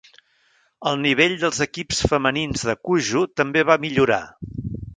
El nivell dels equips femenins de cuju també va millorar.